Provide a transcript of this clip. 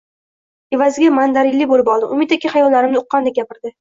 Evaziga mandarinli bo`lib oldim, Umid aka xayollarimni uqqandek gapirdi